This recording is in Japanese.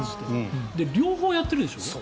両方やってるでしょ？